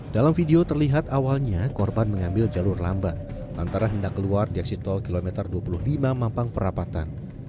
dalam video terlihat awalnya korban mengambil jalur lambat lantaran hendak keluar di eksit tol kilometer dua puluh lima mampang perapatan